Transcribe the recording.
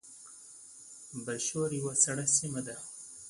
برښور یوه سړه سیمه ده